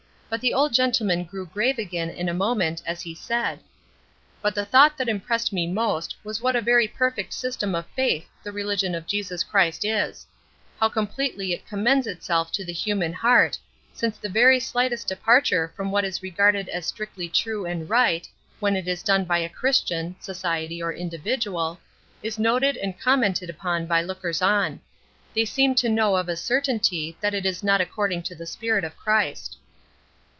But the old gentleman grew grave again in a moment, as he said: "But the thought that impressed me most was what a very perfect system of faith the religion of Jesus Christ is; how completely it commends itself to the human heart, since the very slightest departure from what is regarded as strictly true and right, when it is done by a Christian (society or individual), is noticed and commented upon by lookers on; they seem to know of a certainty that it is not according to the Spirit of Christ."